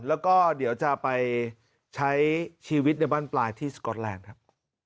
แล้วก็เดี๋ยวจะไปใช้ชีวิตในบ้านปลายที่สก๊อตแลนด์ครับ